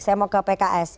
saya mau ke pks